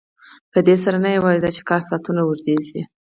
په دې سره نه یوازې دا چې کاري ساعتونه اوږده شي